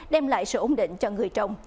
đem lại sự ổn định cho người trồng